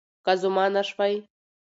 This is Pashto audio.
که زما نه شوی